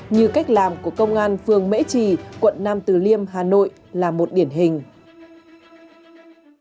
như cách làm của công an phường mễ trì quận nam từ liêm hà nội là một điển hình